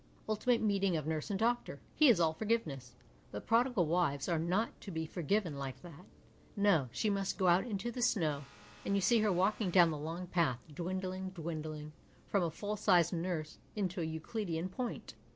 Ultimate meeting of nurse and doctor ; he is all forgiveness, but prodigal wives are not to be forgiven like that. No, she nuist go ojit into the snow, and you see her walking down the long path, dwindling, dwindling, from a full sized nurse into a Euclidean point.